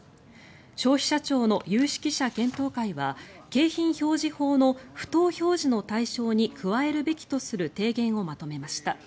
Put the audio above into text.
消費者庁の有識者検討会は景品表示法の不当表示の対象に加えるべきとする提言をまとめました。